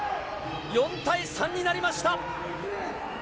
４対３になりました。